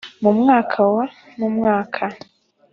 mu mwaka wa mu mwaka